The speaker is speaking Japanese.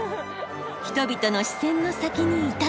人々の視線の先にいたのが。